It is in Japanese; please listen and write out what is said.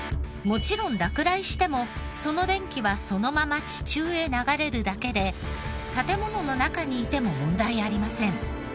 もちろん落雷してもその電気はそのまま地中へ流れるだけで建ものの中にいても問題ありません。